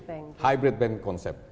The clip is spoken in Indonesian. jadi hybrid bank konsep